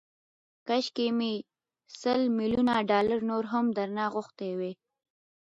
کاشکي مې سل ميليونه ډالر نور هم درنه غوښتي وای.